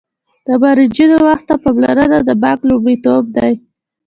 د مراجعینو وخت ته پاملرنه د بانک لومړیتوب دی.